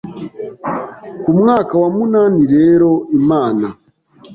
ku mwaka wa munani rero Imana